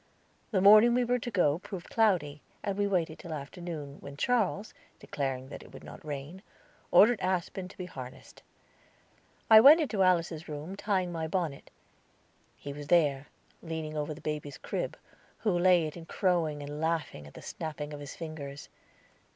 The morning we were to go proved cloudy, and we waited till afternoon, when Charles, declaring that it would not rain, ordered Aspen to be harnessed. I went into Alice's room tying my bonnet; he was there, leaning over the baby's crib, who lay in it crowing and laughing at the snapping of his fingers.